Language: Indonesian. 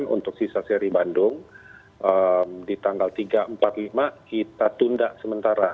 untuk sisa seri bandung di tanggal tiga empat lima kita tunda sementara